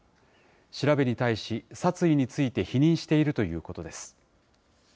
調べに対し、殺意について否認しているということです。